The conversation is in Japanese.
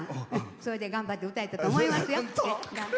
それで頑張って歌えたと思いますよ。